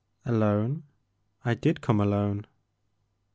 Alone ? I did come alone."